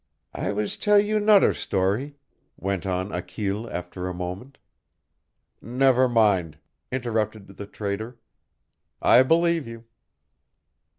"I was tell you nodder story " went on Achille, after a moment. "Never mind," interrupted the Trader. "I believe you."